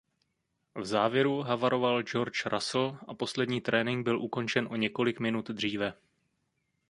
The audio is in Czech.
V závěru havaroval George Russell a poslední trénink byl ukončen o několik minut dříve.